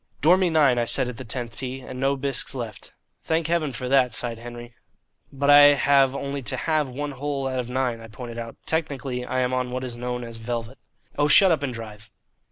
"Dormy nine," I said at the tenth tee, "and no bisques left." "Thank Heaven for that," sighed Henry. "But I have only to halve one hole out of nine," I pointed out. "Technically I am on what is known as velvet." "Oh, shut up and drive."